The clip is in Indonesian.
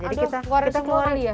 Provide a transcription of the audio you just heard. aduh keluarin semua kali ya